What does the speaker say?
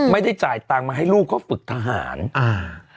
ไม่ได้จ่ายตังค์มาให้ลูกเขาฝึกทหารอ่า